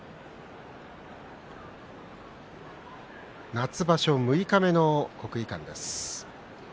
夏場所六日目の国技館です。